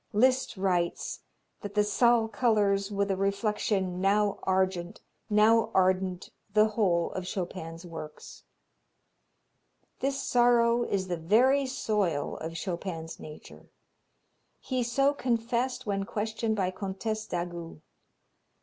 Liszt writes that "the Zal colors with a reflection now argent, now ardent the whole of Chopin's works." This sorrow is the very soil of Chopin's nature. He so confessed when questioned by Comtesse d'Agoult.